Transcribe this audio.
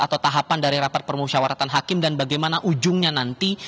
atau tahapan dari rapat permusyawaratan hakim dan bagaimana ujungnya nanti